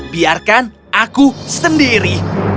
biarkan aku sendiri